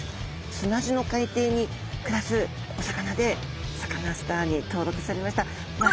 砂地の海底に暮らすお魚でサカナスターに登録されましたうわ！